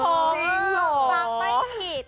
ฟังไม่ผิด